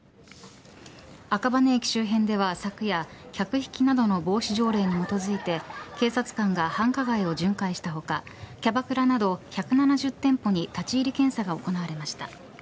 赤羽駅周辺では昨夜客引きなどの防止条例に基づいて警察官が繁華街を巡回した他キャバクラなど１７０店舗に立ち入り検査が行われました。